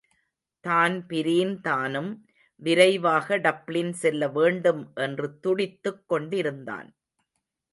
தான்பிரீன்தானும் விரைவாக டப்ளின் செல்ல வேண்டும் என்று துடித்துக் கொண்டிருந்தான்.